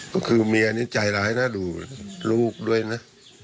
ก็คือเมียนี่ใจร้ายนะดูลูกด้วยนะ